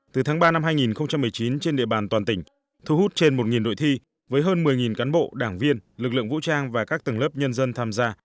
từ tháng ba năm hai nghìn một mươi chín trên địa bàn toàn tỉnh thu hút trên một đội thi với hơn một mươi cán bộ đảng viên lực lượng vũ trang và các tầng lớp nhân dân tham gia